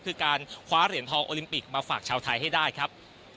คือการคว้าเหรียญทองโอลิมปิกมาฝากชาวไทยให้ได้ครับ